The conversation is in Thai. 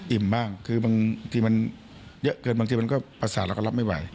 บ้างคือบางทีมันเยอะเกินบางทีมันก็ประสาทเราก็รับไม่ไหว